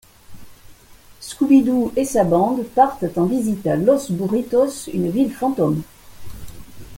Scooby-Doo et sa bande partent en visite à Los Burritos, une ville fantôme.